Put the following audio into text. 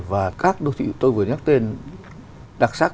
và các đô thị tôi vừa nhắc tên đặc sắc